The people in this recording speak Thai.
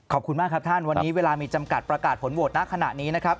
ขอบคุณมากครับท่านวันนี้เวลามีจำกัดประกาศผลโหวตณขณะนี้นะครับ